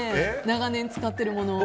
長年、使ってるもの。